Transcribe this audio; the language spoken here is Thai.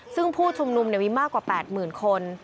ซึ่งผู้ชุมนุมมีมากกว่าแปดหมื่นคน